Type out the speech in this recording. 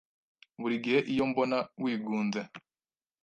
buri gihe iyo mbona wigunze